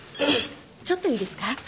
ちょっといいですか。